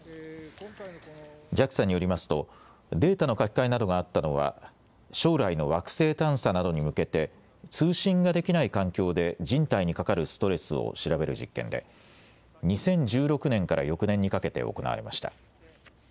ＪＡＸＡによりますとデータの書き換えなどがあったのは将来の惑星探査などに向けて通信ができない環境で人体にかかるストレスを調べる実験で２０１６年から翌年にかけて行われました。